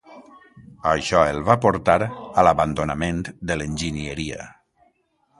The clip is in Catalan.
Això el va portar a l'abandonament de l'enginyeria.